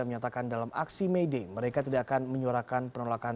menyatakan dalam aksi may day mereka tidak akan menyuarakan penolakan